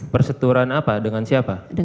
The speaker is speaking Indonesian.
perseturuan apa dengan siapa